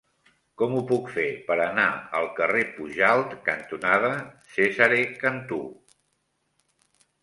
Com ho puc fer per anar al carrer Pujalt cantonada Cesare Cantù?